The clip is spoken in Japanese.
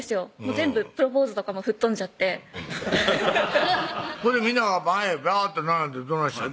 全部プロポーズとかも吹っ飛んじゃってみんなが前へバーッと並んでどないしたん？